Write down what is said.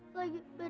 hai saya phtime